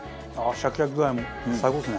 シャキシャキ具合も最高ですね。